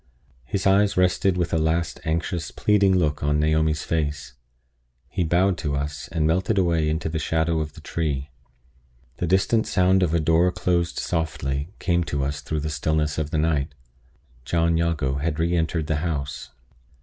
His eyes rested with a last anxious, pleading look on Naomi's face. He bowed to us, and melted away into the shadow of the tree. The distant sound of a door closed softly came to us through the stillness of the night. John Jago had re entered the house.